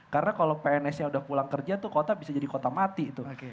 karena kalau pns yang udah pulang kerja tuh kota bisa jadi kota mati itu